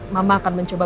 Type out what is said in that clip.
mama akan mencoba